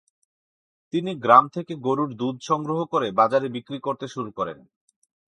তিনি গ্রাম থেকে গরুর দুধ সংগ্রহ করে বাজারে বিক্রি করতে শুরু করেন।